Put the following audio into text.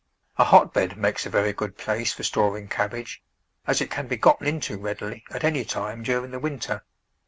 A hotbed makes a very good place for storing cabbage, as it can be gotten into readily at any time during the winter.